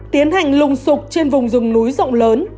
tiến hành lùng sụp trên vùng rừng núi rộng lớn